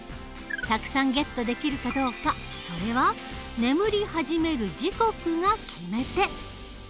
たくさんゲットできるかどうかそれは眠り始める時刻が決め手。